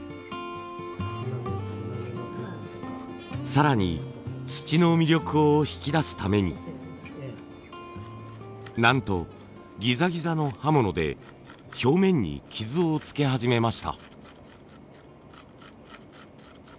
更に土の魅力を引き出すためになんとギザギザの刃物で表面に傷をつけ始めました。